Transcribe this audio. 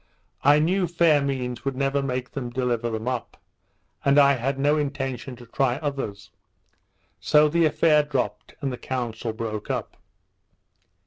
I knew fair means would never make them deliver them up; and I had no intention to try others. So the affair dropt, and the council broke up.